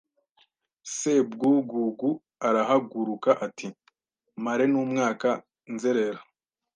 Sebwugugu arahaguruka ati Mare numwaka nzerera